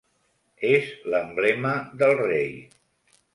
És l'emblema del rei.